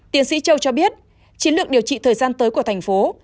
tiến sĩ châu cho biết chiến lược điều trị thời gian tới của thành phố